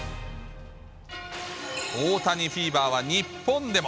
大谷フィーバーは日本でも。